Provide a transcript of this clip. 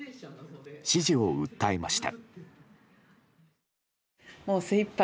支持を訴えました。